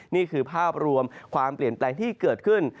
นี่คือภาพรวมความเปลี่ยนแปลงที่เกิดขึ้น